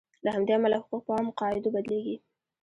له همدې امله حقوق په عامو قاعدو بدلیږي.